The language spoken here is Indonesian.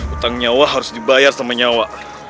utang nyawa harus dibayar sama nyawa